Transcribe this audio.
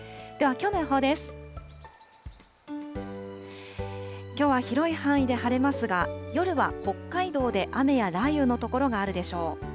きょうは広い範囲で晴れますが、夜は北海道で雨や雷雨の所があるでしょう。